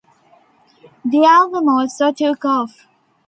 The album also took off.